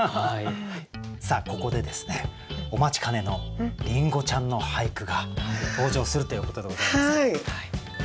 さあここでですねお待ちかねのりんごちゃんの俳句が登場するということでございますけれども。